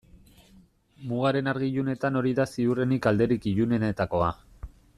Mugaren argi-ilunetan hori da ziurrenik alderik ilunenetakoa.